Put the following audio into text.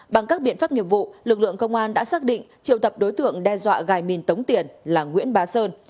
bằng các biện pháp nghiệp vụ lực lượng công an đã xác định triệu tập đối tượng đe dọa gài mìn tống tiền là nguyễn bá sơn